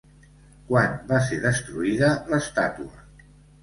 Quan va ser destruïda l'estàtua?